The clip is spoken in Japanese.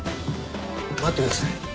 待ってください。